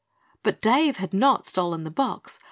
But Dave had not stolen the box.